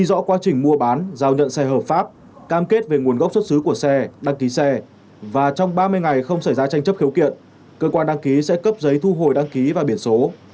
sau khi đăng ký xe hợp pháp cơ quan đăng ký sẽ cấp giấy thu hồi đăng ký và biển số sau khi đăng ký xe hợp pháp